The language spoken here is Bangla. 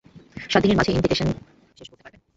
সাত দিনের মাঝে ইনভেস্টিগেশন শেষ করতে পারবেন?